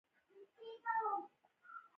سکون همېشه په قناعت کې وي.